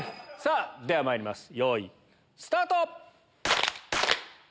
ではまいりますよいスタート！